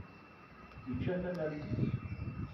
Yečča tanalt-is.